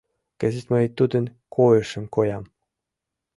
Кызыт мый тудын койышым коям.